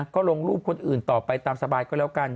ก็ลงรูปคนอื่นต่อไปตามสบายก็แล้วกัน